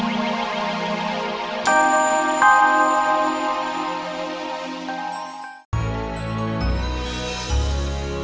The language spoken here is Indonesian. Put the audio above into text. untuk acara selanjutnya